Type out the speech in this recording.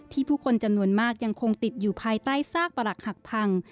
ผู้คนจำนวนมากยังคงติดอยู่ภายใต้ซากประหลักหักพัง